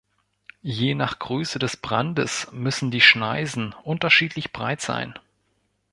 Je nach Größe des Brandes müssen die Schneisen unterschiedlich breit sein.